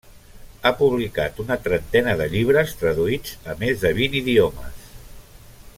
Ha publicat una trentena de llibres traduïts a més de vint idiomes.